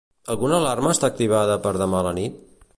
Alguna alarma està activada per demà a la nit?